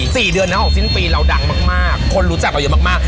สี่เดือนนะของสิ้นปีเราดังมากมากคนรู้จักเราเยอะมากมาก